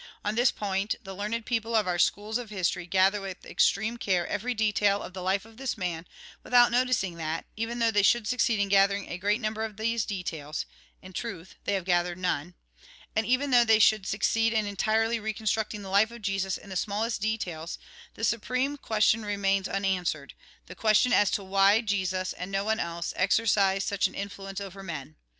On this point the learned people of our schools of history gather with extreme care every detail of the life of this man, without noticing that, even though they should succeed in gathering a great number of these details (in truth, they have gathered none) ; and even though they should succeed in entirely reconstructing the life of Jesus in the smallest details, the supreme question remains un answered, — the question as to why Jesus, and no 1 8 THE GOSPEL IN BRIEF one else, exercised such an influence over men.